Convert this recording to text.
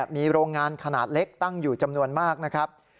มีโรงงานขนาดเล็กตั้งอยู่จำนวนมากนะครับ